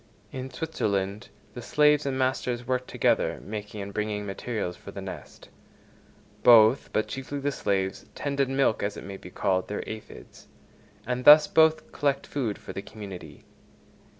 In Switzerland the slaves and masters work together, making and bringing materials for the nest: both, but chiefly the slaves, tend and milk as it may be called, their aphides; and thus both collect food for the community.